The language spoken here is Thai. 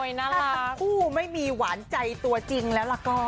นี่นะถ้าสักคู่ไม่มีหวานใจตัวจริงแล้วก็